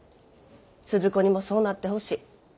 鈴子にもそうなってほしい。